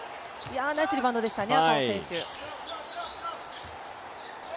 ナイスリバウンドでしたね。